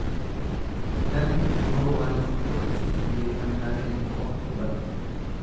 Namni yoo waan tokkotti xiyyeeffannaa kenne qofa hubata.